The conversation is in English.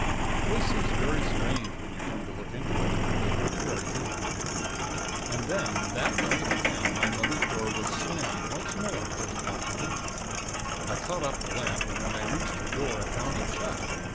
This is very strange when you come to look into it; but very human. "And then that night again my mother's door was slammed once more just after midnight. I caught up the lamp, and when I reached her door, I found it shut.